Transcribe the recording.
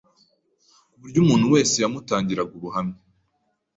ku buryo umuntu wese yamutangira ubuhamya